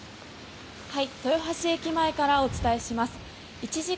豊橋駅前からお伝えします。